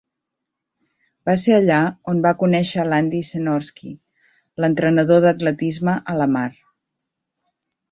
Va ser allà on va conèixer l"Andy Senorski, l"entrenador d"atletisme a Lamar.